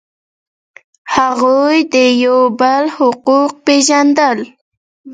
هغوی د یو بل حقوق پیژندل.